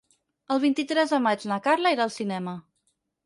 El vint-i-tres de maig na Carla irà al cinema.